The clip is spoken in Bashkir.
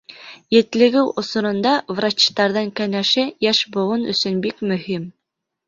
Етлегеү осоронда врачтарҙың кәңәше йәш быуын өсөн бик мөһим.